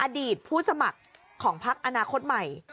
อดีตผู้สมัครของพักอนาคตใหม่